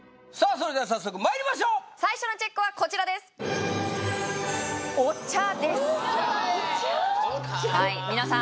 それでは早速まいりましょう最初のＣＨＥＣＫはこちらですお茶ですお茶？